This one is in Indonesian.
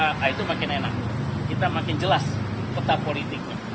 nah itu makin enak kita makin jelas peta politiknya